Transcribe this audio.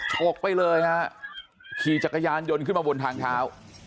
กไปเลยฮะขี่จักรยานยนต์ขึ้นมาบนทางเท้า